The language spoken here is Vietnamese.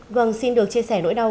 vâng xin được chia sẻ nỗi đau